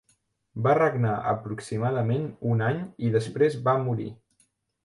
Va regnar aproximadament un any i després va morir.